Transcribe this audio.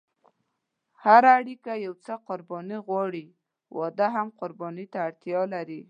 هره اړیکه یو څه قرباني غواړي، واده هم قرباني ته اړتیا لري.